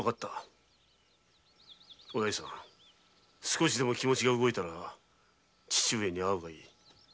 少しでも気持ちが動いたら父上に会うがいい。